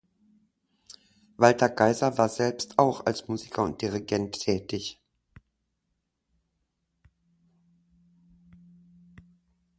Walther Geiser war selbst auch als Musiker und Dirigent tätig.